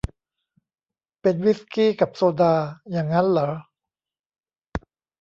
เป็นวิสกี้กับโซดาอย่างงั้นหรอ